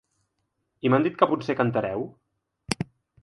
I m’han dit que potser cantareu?.